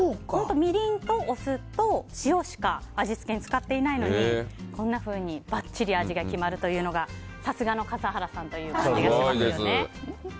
みりんとお酢と塩しか味付けに使っていないのにこんなふうにばっちり味が決まるというのがさすがの笠原さんという感じがしますよね。